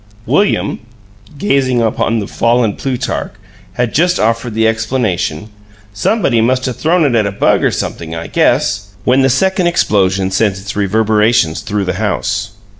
William, gazing upon the fallen Plutarch, had just offered the explanation, "Somebody must 'a' thrown it at a bug or something, I guess," when the second explosion sent its reverberations through the house.